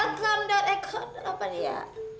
elkon dan ekon apa nih ya